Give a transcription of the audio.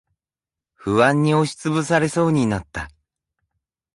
不安に押しつぶされそうになった。